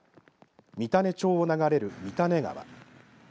三種町を流れる三種川